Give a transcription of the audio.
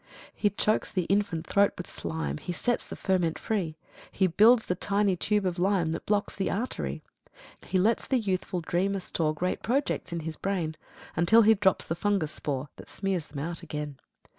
8. He chokes the infant throat with slime, He sets the ferment free; He builds the tiny tube of lime That blocks the artery. 9. He lets the youthful dreamer store Great projects in his brain, Until he drops the fungus spore That smears them out again.